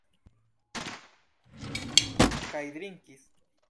Kaj drinkis?